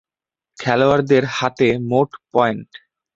খেলোয়াড়দের হাতে মোট পয়েন্ট।